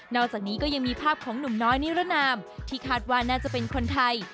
อกจากนี้ก็ยังมีภาพของหนุ่มน้อยนิรนามที่คาดว่าน่าจะเป็นคนไทย